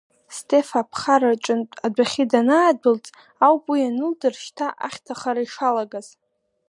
Стефа аԥхара аҿынтә адәахьы данаадәылҵ, ауп уи ианылдыр, шьҭа ахьҭахара ишалагаз.